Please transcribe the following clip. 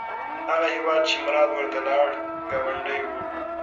هغه هیواد چې مراد ورته لاړ، ګاونډی و.